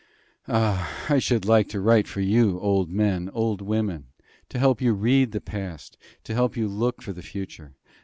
Ah! I should like to write for you, old men, old women, to help you to read the past, to help you to look for the future.